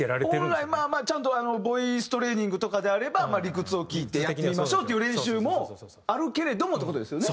本来まあちゃんとボイストレーニングとかであれば理屈を聞いてやってみましょうっていう練習もあるけれどもって事ですよね？